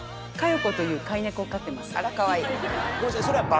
あらかわいい。